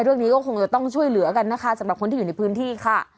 เรื่องนี้ก็คงจะต้องช่วยเหลือกันนะคะสำหรับคนที่อยู่ในพื้นที่ค่ะ